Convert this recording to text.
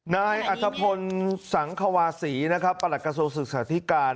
นายอัธพลสังควาศีนะครับประหลักกระทรวงศึกษาธิการ